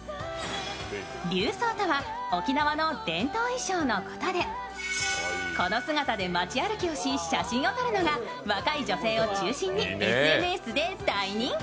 琉装とは沖縄の伝統衣装のことでこの姿で町歩きをし、写真を撮るのが若い女性を中心にＳＮＳで大人気。